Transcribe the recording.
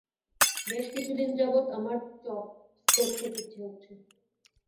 বেশ কিছু দিন যাবত, আমার চপ স্টেক খেতে ইচ্ছে হচ্ছে।